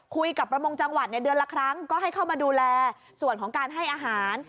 ประมงจังหวัดเดือนละครั้งก็ให้เข้ามาดูแลส่วนของการให้อาหาร